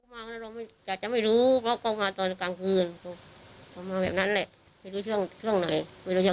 มันจะมากกว่านั้นเพราะว่าไม่เคยเห็นตัวออกเลย